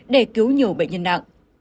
để cứu nhiều bệnh nhân nặng